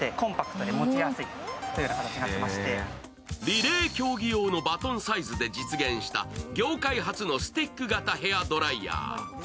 リレー競技用のバトンサイズで実現した、業界初のスティック型ヘアドライヤー。